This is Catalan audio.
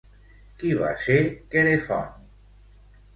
Qui va ser Querefont?